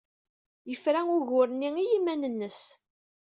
Yefra ugur-nni i yiman-nnes.